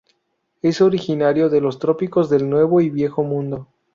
Es originario de los trópicos del Nuevo y Viejo Mundo.